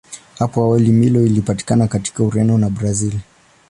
Hapo awali Milo ilipatikana katika Ureno na Brazili.